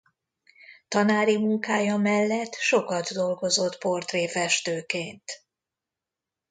Tanári munkája mellett sokat dolgozott portréfestőként.